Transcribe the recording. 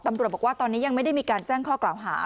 ตำรวจบอกว่าตอนนี้ยังไม่ได้มีการแจ้งข้อกล่าวหา